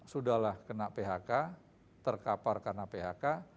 sudahlah kena phk terkapar karena phk